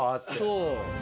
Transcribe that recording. そう。